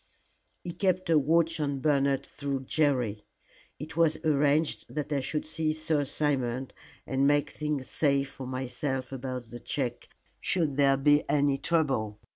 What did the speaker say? "He kept a watch on Bernard through Jerry. It was arranged that I should see Sir Simon and make things safe for myself about the check should there be any trouble.